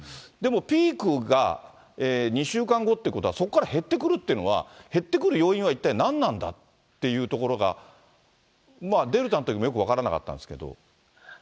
でもピークが２週間後ってことは、そこから減ってくるっていうのは、減ってくる要因は一体何なんだっていうところが、デルタのときもよく分からなかったんですけど。